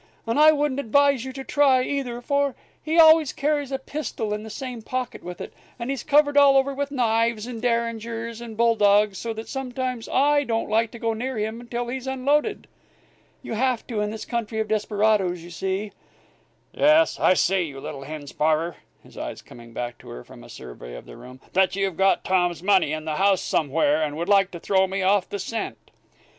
And I wouldn't advise you to try, either; for he always carries a pistol in the same pocket with it, and he's covered all over with knives and derringers and bull dogs, so that sometimes I don't like to go near him till he's unloaded. You have to, in this country of desperadoes. You see " "Yes, I see, you little hen sparrer," his eyes coming back to her from a survey of the room, "that you've got Tom's money in the house here, and would like to throw me off the scent!"